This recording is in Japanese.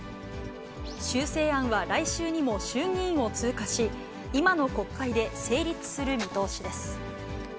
修正案は来週にも衆議院を通過し、今の国会で成立する見通しです。